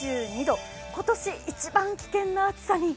今年一番危険な暑さに。